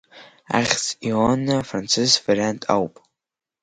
Ахьӡ Иоанна афранцыз вариант ауп.